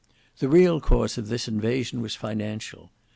The real cause of this invasion was financial.